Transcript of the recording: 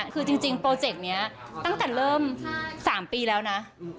คือจริงโปรเจกต์นี้ตั้งแต่เริ่ม๓ปีแล้วนะ